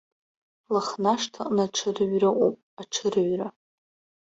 Лыхны ашҭаҟны аҽырҩра ыҟоуп, аҽырҩра!